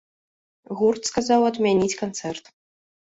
Гурт сказаў адмяніць канцэрт.